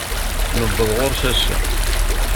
Newweḍ ɣur-s ass-a.